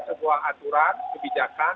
sebuah aturan kebijakan